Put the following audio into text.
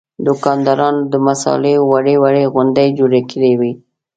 دوکاندارانو د مصالحو وړې وړې غونډۍ جوړې کړې وې.